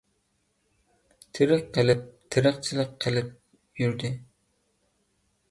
تىرىك قېلىپ، تېرىقچىلىق قىلىپ يۈردى.